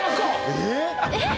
えっ？